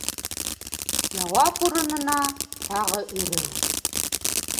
Яуап урынына - тағы өрөү.